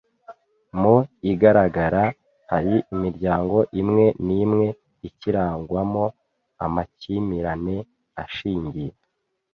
Mu igaragara hari imiryango imwe n’imwe ikirangwamo amakimirane ashingiye